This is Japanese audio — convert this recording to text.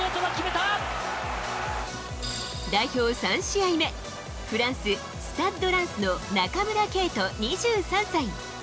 代表３試合目、フランス、スタッド・ランスの中村敬斗２３歳。